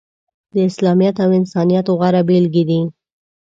د اسلامیت او انسانیت غوره بیلګې دي.